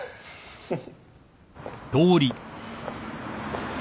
フフ。